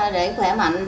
để khỏe mạnh